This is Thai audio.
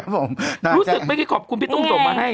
รู้สึกไม่คิดขอบคุณพี่ตุ้งส่งมาให้